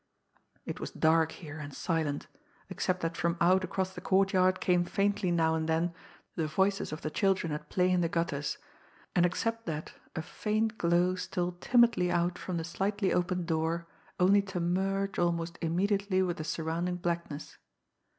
It was dark here and silent, except that from out across the courtyard came faintly now and then the voices of the children at play in the gutters, and except that a faint glow stole timidly out from the slightly opened door only to merge almost immediately with the surrounding blackness.